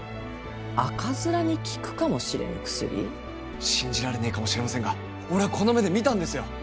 赤面に効くかもしれぬ薬？信じられねえかもしれませんが俺ぁこの目で見たんですよ！